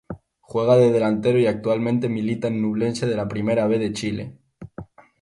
Juega de delantero y actualmente milita en Ñublense de la Primera B de Chile.